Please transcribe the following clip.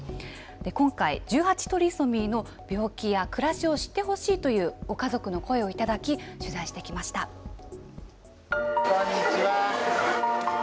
今回、１８トリソミーの病気や暮らしを知ってほしいというご家族の声をこんにちは。